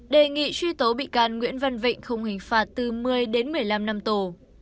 đề nghị truy tố bị can nguyễn văn vịnh không hình phạt từ một mươi đến một mươi năm năm tù